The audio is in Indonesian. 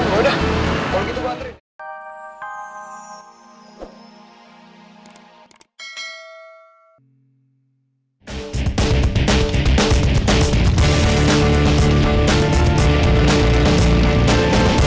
udah kalau gitu gue anterin